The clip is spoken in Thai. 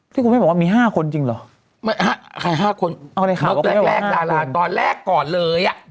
ที่คุณไม่บอกว่ามีห้าคนจริงเหรอไม่ห้าใครห้าคนเอาในข่าวว่าห้าคนตอนแรกก่อนเลยอ่ะ